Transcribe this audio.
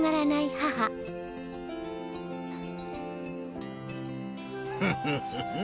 母フフフフ。